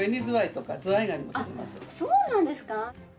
そうなんですか！